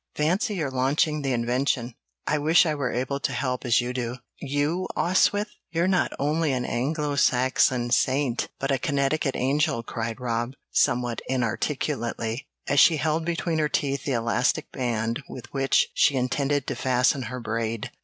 "Fancy your launching the invention! I wish I were able to help as you do." "You, Oswyth! You're not only an Anglo Saxon saint, but a Connecticut angel," cried Rob, somewhat inarticulately, as she held between her teeth the elastic band with which she intended to fasten her braid.